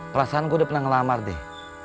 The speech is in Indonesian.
perasaan gue udah pernah ngelamar deh